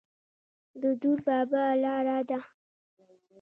د دور بابا لاره ده